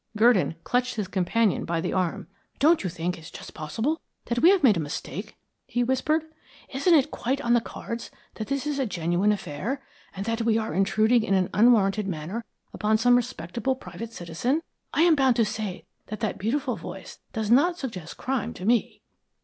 Gurdon clutched his companion by the arm. "Don't you think it is just possible that we have made a mistake?" he whispered. "Isn't it quite on the cards that this is a genuine affair, and that we are intruding in an unwarrantable manner upon some respectable private citizen? I am bound to say that that beautiful voice does not suggest crime to me."